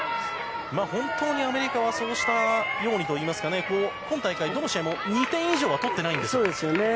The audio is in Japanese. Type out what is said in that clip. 本当にアメリカはそうしたようにといいますかね今大会どの試合も２点以上取ってないんです。